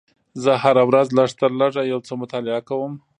زه هره ورځ لږ تر لږه یو څه مطالعه کوم